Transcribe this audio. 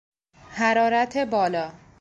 حرارت بالا